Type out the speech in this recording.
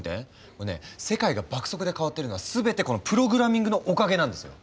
もうね世界が爆速で変わってるのは全てこのプログラミングのおかげなんですよ。